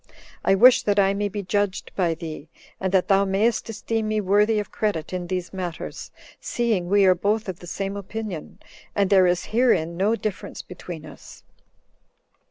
I wish that I may be judged by thee, and that thou mayst esteem me worthy of credit in these matters, seeing we are both of the same opinion, and there is herein no difference between us."